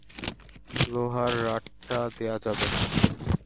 লোহার রাডটা দেয়া যাবে না।